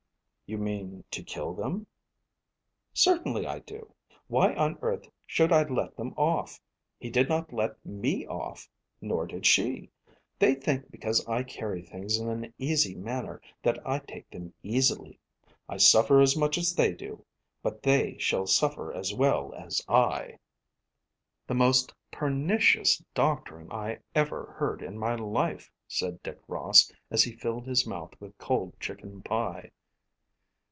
"You mean to kill them?" "Certainly I do. Why on earth should I let them off? He did not let me off. Nor did she. They think because I carry things in an easy manner that I take them easily. I suffer as much as they do. But they shall suffer as well as I." "The most pernicious doctrine I ever heard in my life," said Dick Ross as he filled his mouth with cold chicken pie.